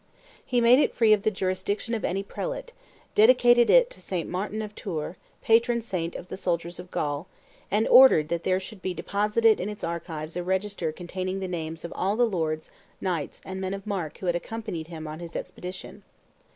He made it free of the jurisdiction of any prelate, dedicated it to St. Martin of Tours, patron saint of the soldiers of Gaul, and ordered that there should be deposited in its archives a register containing the names of all the lords, knights, and men of mark who had accompanied him on his expedition.